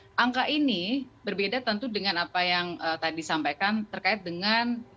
nah angka ini berbeda tentu dengan apa yang tadi disampaikan terkait dengan investasi di indonesia